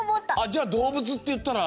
じゃあどうぶつっていったら。